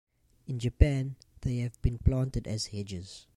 In Japan, they have been planted as hedges.